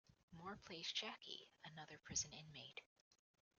Moore plays Jackie, another prison inmate.